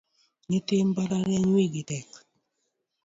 Nyithi mbalariany wigi tek